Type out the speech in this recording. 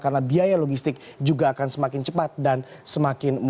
karena biaya logistik juga akan semakin tinggi